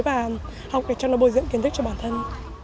và học để cho nó bồi dưỡng kiến thức cho bản thân